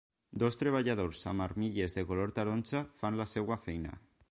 Dos treballadors amb armilles de color taronja fan la seva feina.